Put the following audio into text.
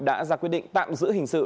đã ra quyết định tạm giữ hình sự